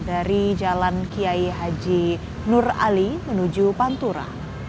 dari jalan kiai haji nur ali menuju pantura